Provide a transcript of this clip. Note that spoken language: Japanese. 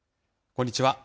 こんにちは。